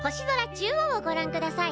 中央をごらんください。